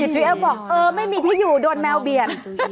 ดีจู่เอวบอกไม่มีที่อยู่โดนแมวเปลี่ยน